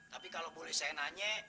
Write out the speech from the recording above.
tapi kalau boleh saya nanya